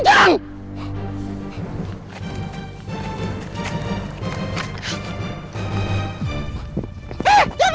eh jangan balik kamu